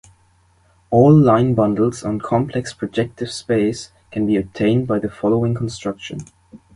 All line bundles on complex projective space can be obtained by the following construction.